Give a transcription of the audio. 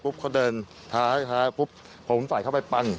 พรุ่งปิ๊บเขาเดินท้าพรุ่งผมใส่เขาไปปั้ง